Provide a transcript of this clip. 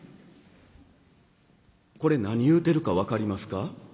「これ何言うてるか分かりますか？